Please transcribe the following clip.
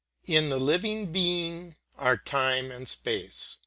In the living being are time and space.